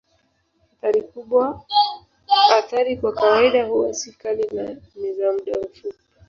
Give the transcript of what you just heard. Athari kwa kawaida huwa si kali na ni za muda mfupi.